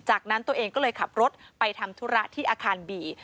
จากนั้นตัวเองก็เลยขับรถไปทำธุระที่อาคารบี